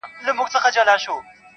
مستغني هم له پاچا هم له وزیر یم-